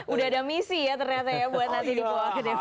udah ada misi ya ternyata ya buat nanti dibawa ke dpr